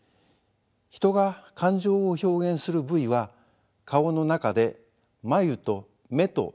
人が感情を表現する部位は顔の中で眉と目と口の３つです。